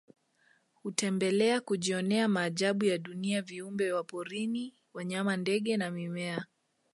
Hutembelea kujionea maajabu ya dunia viumbe wa porini wanyama ndege na mimea